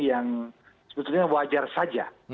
yang sebetulnya wajar saja